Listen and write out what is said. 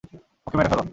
ওকে মেরে ফেল!